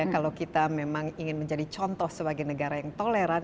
kalau kita memang ingin menjadi contoh sebagai negara yang toleran